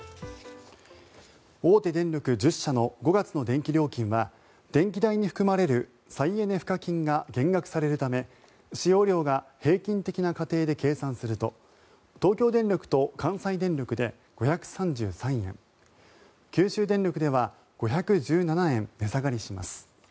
大手電力１０社の５月の電気料金は電気代に含まれる再エネ賦課金が減額されるため使用量が平均的な家庭で計算すると東京電力と関西電力で５３３円九州電力では５１７円値下がりします。